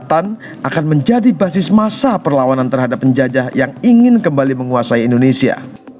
kesehatan akan menjadi basis masa perlawanan terhadap penjajah yang ingin kembali menguasai indonesia